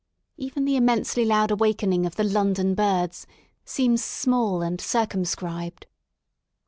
Even the immensely loud awakening of the London birds seems small and circumscribed.